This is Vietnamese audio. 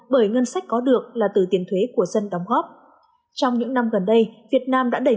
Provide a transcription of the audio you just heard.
bởi ngân sách có được là từ tiền thuế của dân đóng góp trong những năm gần đây việt nam đã đẩy